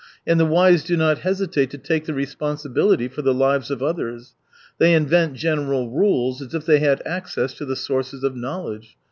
And the wise do not hesitate to take the re sponsibility for the lives of Others. They invent general rules, as if they had access to the sources of knowledge.